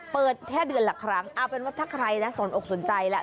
เปิดแค่เดือนละครั้งเอาเป็นว่าถ้าใครนะสนอกสนใจแหละ